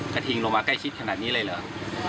กระทิงลงมาใกล้ชิดขนาดนี้เลยเหรอ